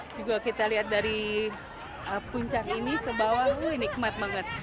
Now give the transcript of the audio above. juga kita lihat dari puncak ini ke bawah wuh nikmat banget